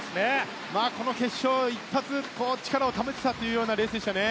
この決勝、一発力を試したレースでしたね。